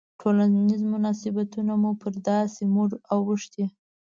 ټولنیز مناسبتونه مو پر داسې موډ اوښتي.